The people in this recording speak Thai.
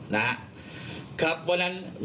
นะครับเพราะฉะนั้น